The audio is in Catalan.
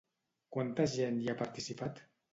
Quanta gent hi ha participat?